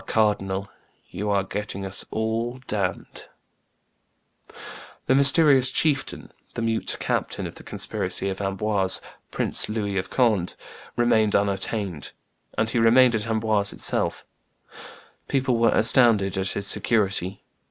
cardinal, you are getting us all damned!" [Illustration: Louis de Bourbon, Prince of Condo 285] The mysterious chieftain, the mute captain of the conspiracy of Amboise, Prince Louis of Conde, remained unattainted, and he remained at Amboise itself. People were astounded at his security.